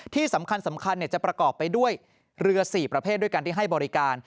ที่สำคัญจะประกอบไปด้วยเรือ๔ประเภทด้วยกันที่ให้บริการ